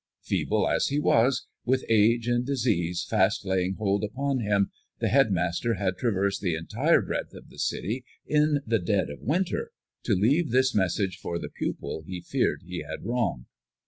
Feeble as he was, with age and disease fast laying hold upon him, the head master had traversed the entire breadth of the city in the dead of winter to leave this message for the pupil he feared he had wronged.